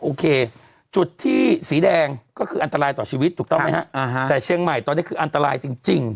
โอเคจุดที่สีแดงก็คืออันตรายต่อชีวิตถูกต้องไหมฮะแต่เชียงใหม่ตอนนี้คืออันตรายจริง